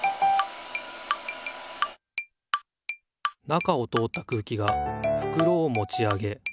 中を通った空気がふくろをもち上げ